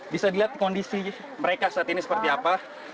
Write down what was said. bisa dilihat kondisi mereka saat ini seperti apa